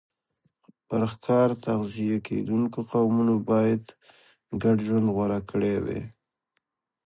پر ښکار تغذیه کېدونکو قومونو باید ګډ ژوند غوره کړی وای